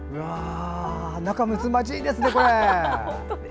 仲むつまじいですね！